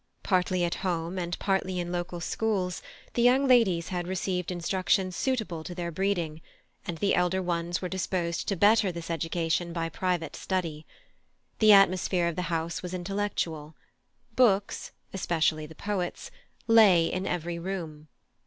Partly at home, and partly in local schools, the young ladies had received instruction suitable to their breeding, and the elder ones were disposed to better this education by private study. The atmosphere of the house was intellectual; books, especially the poets, lay in every room.